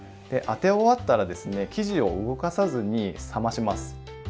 で当て終わったら生地を動かさずに冷まします。